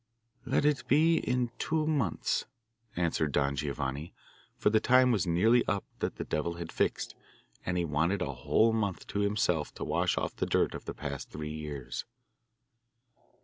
'Let it be in two months,' answered Don Giovanni, for the time was nearly up that the devil had fixed, and he wanted a whole month to himself to wash off the dirt of the past three years.